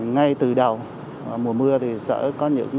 ngay từ đầu mùa mưa thì sở có những